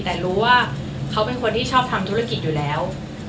แต่รู้ว่าเขาเป็นคนที่ชอบทำธุรกิจอยู่แล้ว